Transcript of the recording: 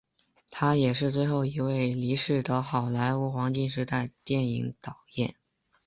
他也是最后一位离世的好莱坞黄金时代电影导演。